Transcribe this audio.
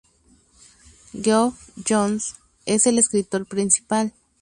Geoff Johns es el escritor principal.